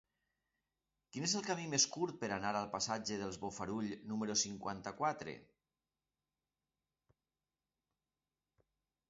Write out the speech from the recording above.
Quin és el camí més curt per anar al passatge dels Bofarull número cinquanta-quatre?